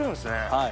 はい。